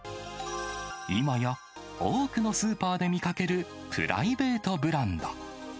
今や、多くのスーパーで見かけるプライベートブランド。